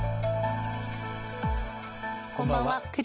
こんばんは。